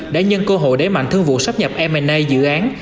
đã nhân cơ hội đế mạnh thương vụ sắp nhập m a dự án